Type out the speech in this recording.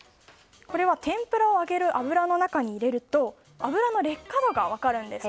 これは天ぷらを揚げる油の中に入れると油の劣化度が分かるんです。